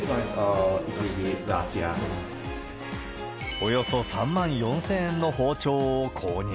およそ３万４０００円の包丁を購入。